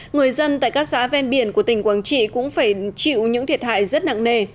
người dân tại các xã ven biển của tỉnh quảng trị cũng phải chịu những thiệt hại rất nặng nề